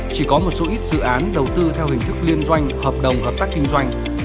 chỉ có một số ít dự án đầu tư theo hình thức liên doanh hợp đồng hợp tác kinh doanh